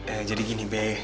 eh jadi gini be